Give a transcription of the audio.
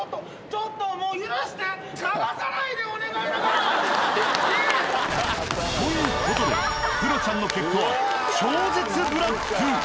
ちょっともうという事でクロちゃんの結果は超絶ブラック。